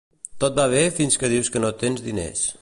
Tot va bé fins que dius que no tens diners